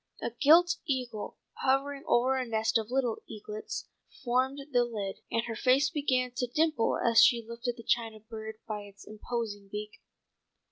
A gilt eagle, hovering over a nest of little eaglets formed the lid, and her face began to dimple as she lifted the china bird by its imposing beak.